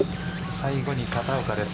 最後に片岡です。